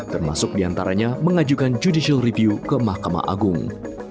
termasuk diantaranya mengajukan judicial review ke mahkamah agung